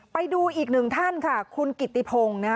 ไปดูอีกหนึ่งท่านค่ะคุณกิติพงศ์นะฮะ